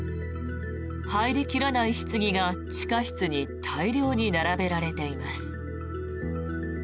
入り切らないひつぎが地下室に大量に並べられています。